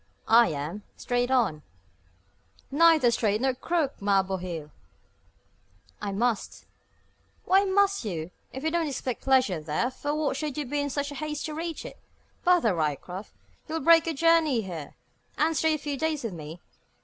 "I am, straight on." "Neither straight nor crooked, ma bohil!" "I must." "Why must you? If you don't expect pleasure there, for what should you be in such haste to reach it? Bother, Ryecroft! you'll break your journey here, and stay a few days with me?